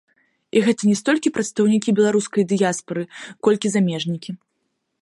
І гэта не столькі прадстаўнікі беларускай дыяспары, колькі замежнікі.